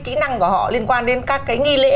kỹ năng của họ liên quan đến các cái nghi lễ